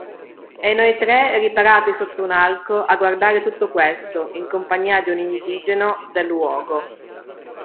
E noi tre, riparati sotto un arco, a guardare tutto questo, in compagnia di un indigeno del luogo.